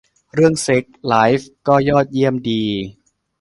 เรื่องเซ็กส์ไลฟ์ก็ยอดเยี่ยมดี